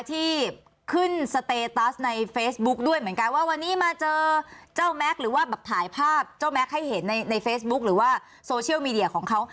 ที่ขึ้นสเตตัสในเฟซบุ๊คด้วยเหมือนกันว่าวันนี้มาเจอเจ้าแม็กซ์หรือว่าแบบถ่ายภาพเจ้าแม็กซ์ให้เห็นในเฟซบุ๊คหรือว่าโซเชียลมีเดียของเขา